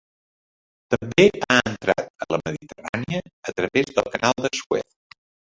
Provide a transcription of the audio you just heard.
També ha entrat a la Mediterrània a través del Canal de Suez.